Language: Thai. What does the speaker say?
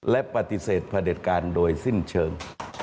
และปฏิเสธพระเด็จการโดยสิ้นเชิง